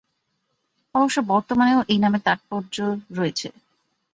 অবশ্য বর্তমানেও এই নামের তাৎপর্য রয়েছে।